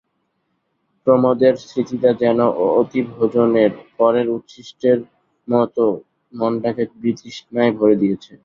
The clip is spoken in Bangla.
প্রমোদের স্মৃতিটা যেন অতিভোজনের পরের উচ্ছিষ্টের মতো মনটাকে বিতৃষ্ণায় ভরে দিয়েছে।